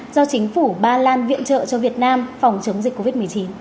do chính phủ ba lan viện trợ cho việt nam phòng chống dịch covid một mươi chín